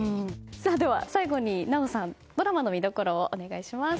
最後に、奈緒さんドラマの見どころをお願いします。